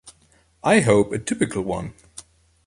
I hope a typical one.